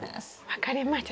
分かりました。